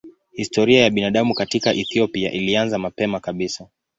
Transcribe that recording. Historia ya binadamu katika Ethiopia ilianza mapema kabisa.